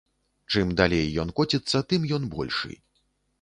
Чым далей ён коціцца, тым ён большы.